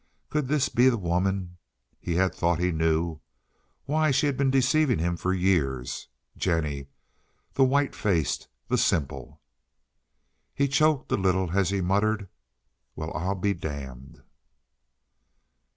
Could this be the woman he had thought he knew? Why, she had been deceiving him for years. Jennie! The white faced! The simple! He choked a little as he muttered: "Well, I'll be damned!"